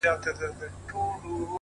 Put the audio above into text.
يوې نجلۍ ساعت کي څو رنگه رنگونه راوړل’